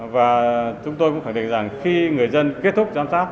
và chúng tôi cũng khẳng định rằng khi người dân kết thúc giám sát